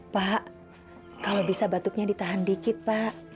pak kalau bisa batuknya ditahan dikit pak